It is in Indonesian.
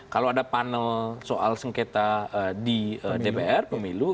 kalau ada panel soal sengketa di dpr pemilu